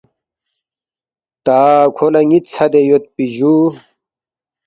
“ تا کھو لہ نِ٘ت ژھدے یودپی جُو